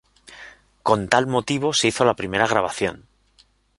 Con tal motivo se hizo la primera grabación.